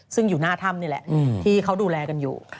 ซึ่งอยู่หน้าถ้ำนี่แหละที่เขาดูแลกันอยู่